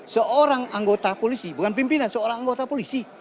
seorang anggota polisi bukan pimpinan seorang anggota polisi